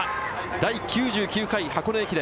第９９回箱根駅伝。